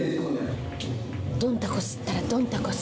ドンタコスったらドンタコス。